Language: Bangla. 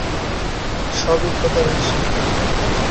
সব খোদার ইচ্ছা।